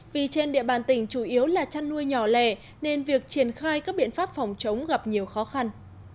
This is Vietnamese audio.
vì trên địa bàn tỉnh chủ yếu là chăn nuôi nhỏ lẻ nên việc triển khai các biện pháp phòng chống gặp nhiều khó khăn